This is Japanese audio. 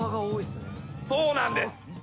そうなんです。